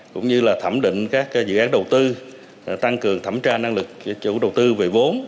cũng như là thẩm định các dự án đầu tư tăng cường thẩm tra năng lực của chủ đầu tư về vốn